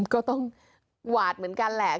ก็ต้องหวาดเหมือนกันแหละ